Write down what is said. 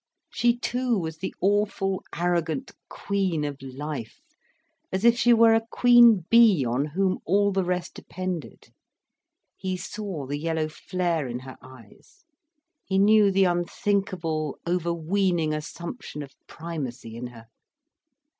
She too was the awful, arrogant queen of life, as if she were a queen bee on whom all the rest depended. He saw the yellow flare in her eyes, he knew the unthinkable overweening assumption of primacy in her.